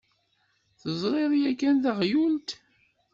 Teẓriḍ yakan taɣyult?